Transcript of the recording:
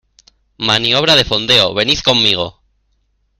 ¡ maniobra de fondeo, venid conmigo!